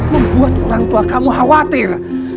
membuat orang tua kamu khawatir